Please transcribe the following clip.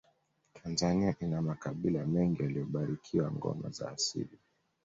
tanzania ina makabila mengi yaliyobarikiwa ngoma za asili